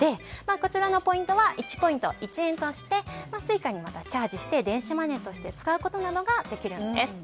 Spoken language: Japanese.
こちらのポイントは１ポイント＝１円としてＳｕｉｃａにまたチャージして電子マネーとして使うことなどができるんです。